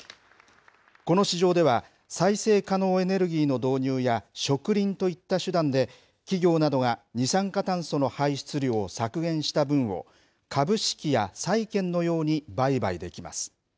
この市場では、再生可能エネルギーの導入や植林といった手段で、企業などが二酸化炭素の排出量を削減した分を、株式や債券のように売買できます。